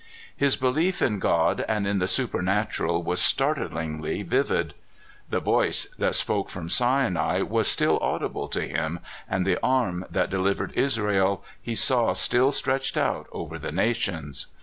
His belief in God and in the supernatural was startlirigly vivid. The Voice that spoke from Si nai was still audible to him, and the Arm that de livered Israel he saw still stretched out over the nations.